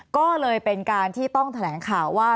ก็เลยเป็นการที่ต้องแถลงข่าวว่า